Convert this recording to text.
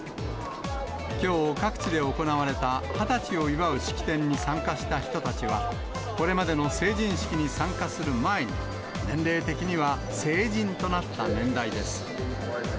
きょう、各地で行われた２０歳を祝う式典に参加した人たちは、これまでの成人式に参加する前に、年齢的には成人となった年代です。